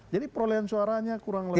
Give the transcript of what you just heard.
jadi perolehan suaranya kurang lebih